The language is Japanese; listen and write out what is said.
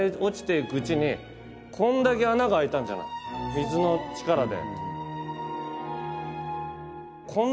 水の力で。